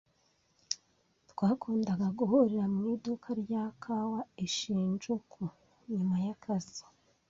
Twakundaga guhurira mu iduka rya kawa i Shinjuku nyuma yakazi.